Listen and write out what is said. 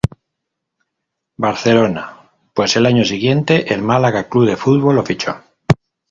Barcelona, pues el año siguiente el Málaga Club de Fútbol lo fichó.